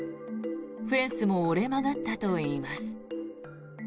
フェンスも折れ曲がったといいます。